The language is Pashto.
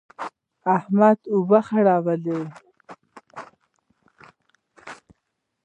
احمد اوبه خړولې.